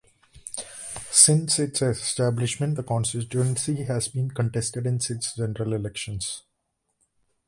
Since its establishment, the constituency has been contested in six general elections.